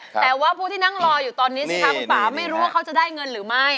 แต่ว่าผู้ที่นั่งรออยู่ตอนนี้สิคะคุณป่าไม่รู้ว่าเขาจะได้เงินหรือไม่